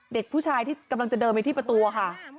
เด็กผู้ชายที่กำลังจะเดินไปที่ประตูค่ะ